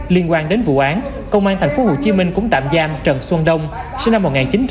liên quan đến vụ án công an tp hcm cũng tạm giam trần xuân đông sinh năm một nghìn chín trăm tám mươi